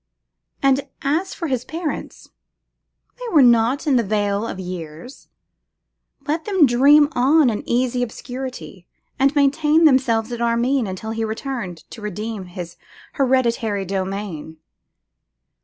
And as for his parents, they were not in the vale of years; let them dream on in easy obscurity, and maintain themselves at Armine until he returned to redeem his hereditary domain.